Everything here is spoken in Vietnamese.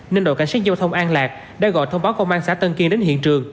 nên đội cảnh sát giao thông an lạc đã gọi thông báo công an xã tân kiên đến hiện trường